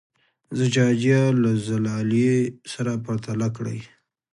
زجاجیه له زلالیې سره پرتله کړئ.